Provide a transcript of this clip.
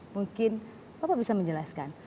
mungkin bapak bisa menjelaskan